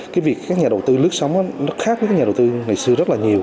cái việc các nhà đầu tư lướt sóng nó khác với các nhà đầu tư ngày xưa rất là nhiều